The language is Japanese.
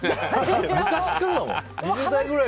昔っからだもん。